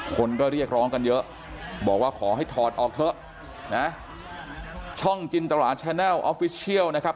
คนก็เรียกร้องกันเยอะบอกว่าขอให้ถอดออกเถอะนะช่องกินตลาดแชนัลออฟฟิเชียลนะครับ